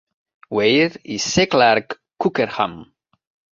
Weir i C. Clark Cockerham.